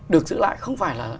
được giữ lại không phải là